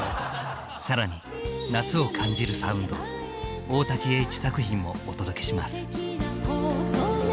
更に夏を感じるサウンド大滝詠一作品もお届けします。